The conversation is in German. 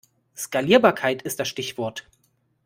Skalierbarkeit ist das Stichwort.